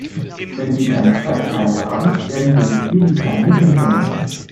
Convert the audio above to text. Wenn sie keine Fressfeinde haben, werden sie sich wie die Karnickel vermehren.